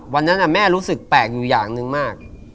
วันนั้นแม่รู้สึกแปลกอยู่อย่างหนึ่งมาก